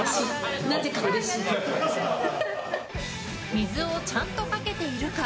水をちゃんとかけているか。